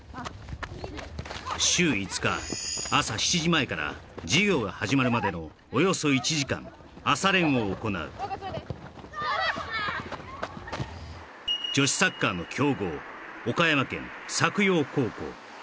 週５日朝７時前から授業が始まるまでのおよそ１時間朝練を行う女子サッカーの強豪